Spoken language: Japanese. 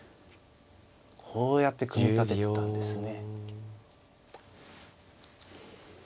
こうやって組み立ててたんですね。